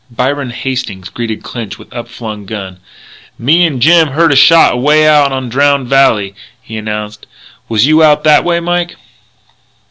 Byron Hastings greeted Clinch with upflung gun: "Me and Jim heard a shot away out on Drowned Valley," he announced. "Was you out that way, Mike?"